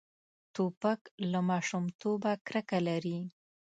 توپک له ماشومتوبه کرکه لري.